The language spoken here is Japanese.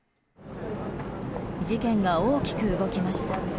事件が大きく動きました。